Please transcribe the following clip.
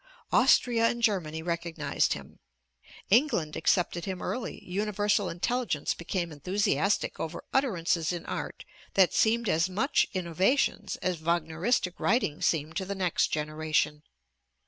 Austria and Germany recognized him, England accepted him early, universal intelligence became enthusiastic over utterances in art that seemed as much innovations as Wagneristic writing seemed to the next generation.